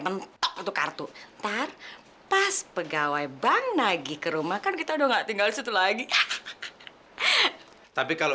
mentok itu kartu ntar pas pegawai bank lagi ke rumah kan kita udah nggak tinggal disitu lagi tapi kalau